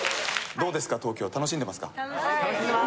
どうですか、東京、楽しんでますか？